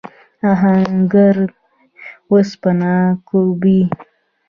آهنګر اوسپنه کوبي.